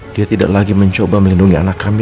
dia tidak lagi mencoba melindungi anak kami